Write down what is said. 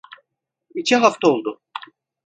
İki hafta oldu.